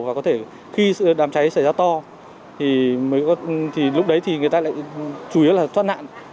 và có thể khi đám cháy xảy ra to thì lúc đấy thì người ta lại chủ yếu là thoát nạn